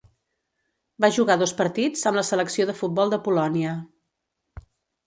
Va jugar dos partits amb la selecció de futbol de Polònia.